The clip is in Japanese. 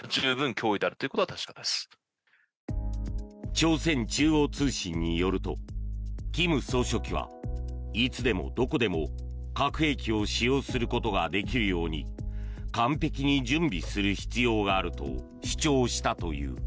朝鮮中央通信によると金総書記はいつでも、どこでも核兵器を使用することができるように完璧に準備する必要があると主張したという。